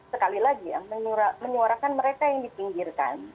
sekali lagi ya menyuarakan mereka yang dipinggirkan